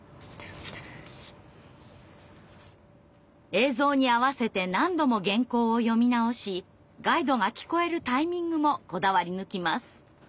映像に合わせて何度も原稿を読み直しガイドが聞こえるタイミングもこだわりぬきます。